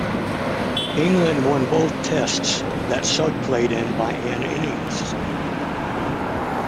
England won both Tests that Sugg played in by an innings.